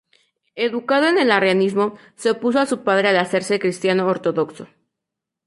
Educado en el arrianismo, se opuso a su padre al hacerse cristiano ortodoxo.